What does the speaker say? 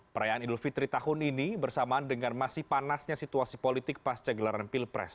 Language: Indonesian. perayaan idul fitri tahun ini bersamaan dengan masih panasnya situasi politik pasca gelaran pilpres